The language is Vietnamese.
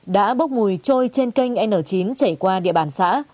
đã bốc mùi trôi trên kênh n chín chảy qua địa bàn xã